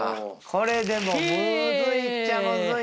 これでもむずいっちゃむずいな。